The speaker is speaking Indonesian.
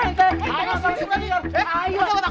ayo taruh situ lagi yuk